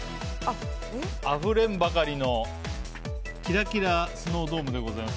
あふれんばかりのキラキラスノードームでございます。